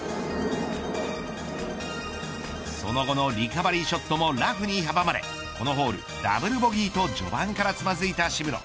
その後のリカバリーショットもラフに阻まれこのホール、ダブルボギーと序盤からつまずいた渋野。